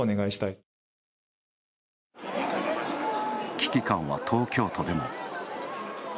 危機感は東京都でも。